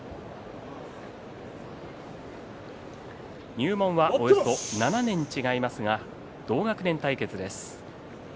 入門はおよそ７年違いますが同学年対決です。